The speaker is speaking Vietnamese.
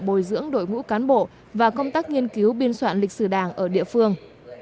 bồi dưỡng đội ngũ cán bộ và công tác nghiên cứu biên soạn lịch sử đảng ở địa phương